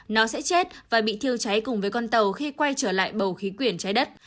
nó sẽ chết và bị thiêu cháy cùng với con tàu khi quay trở lại bầu khí quyển trái đất